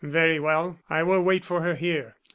"Very well; I will wait for her here.